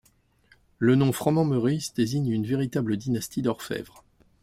Le nom Froment-Meurice désigne une véritable dynastie d'orfèvres.